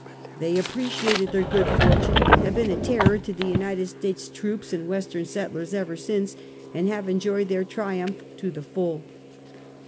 They appreciated their good fortune, have been a terror to United States troops and Western settlers ever since, and have enjoyed their triumph to the full.